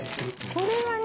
これはね